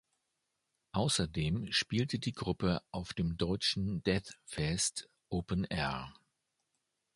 Außerdem spielte die Gruppe auf dem deutschen Death Fest Open Air.